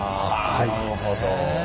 なるほど。